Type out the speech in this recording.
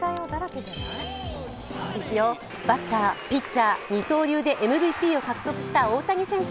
バッター、ピッチャー、二刀流でＭＶＰを獲得した大谷選手。